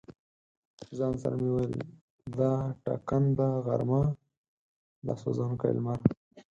ځان سره مې ویل: دا ټکنده غرمه، دا سوزونکی لمر.